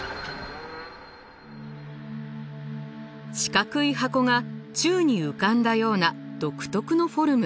四角い箱が宙に浮かんだような独特のフォルム。